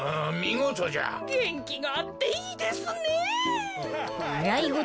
げんきがあっていいですねえ。